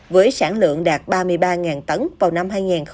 với sản lượng đạt ba mươi ba tấn vào năm hai nghìn hai mươi